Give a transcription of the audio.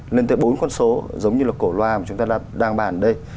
lên tới bốn con số giống như là cổ loa mà chúng ta đang bàn ở đây